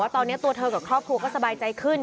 ตอนนี้ตัวเธอกับครอบครัวก็สบายใจขึ้น